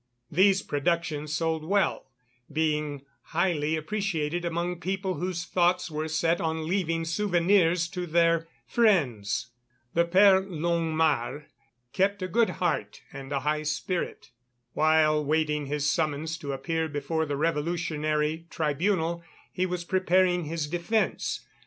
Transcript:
These productions sold well, being highly appreciated among people whose thoughts were set on leaving souvenirs to their friends. The Père Longuemare kept a good heart and a high spirit. While waiting his summons to appear before the Revolutionary Tribunal, he was preparing his defence.